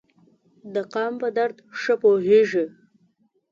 د قام په درد ښه پوهیږي.